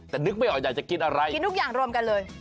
แต่นึกไม่ออกอยากจะกินอะไรกินทุกอย่างรวมกันเลย